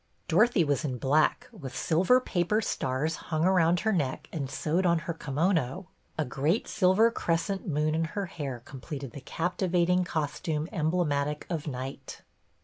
Dorothy was in black, with silver paper stars hung around her neck and sewed on her kimono ; a great silver crescent moon in her hair completed the captivating costume em blematic of night.